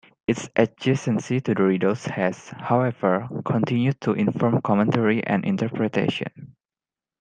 Its adjacency to the riddles has, however, continued to inform commentary and interpretation.